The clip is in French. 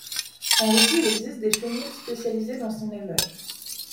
En Russie, il existe des chenils spécialisés dans son élevage.